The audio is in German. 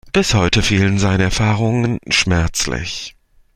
Bis heute fehlen seine Erfahrungen schmerzlich.